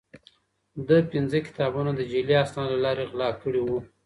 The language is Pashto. ده پنځه کتابونه د جعلي اسنادو له لارې غلا کړي وو.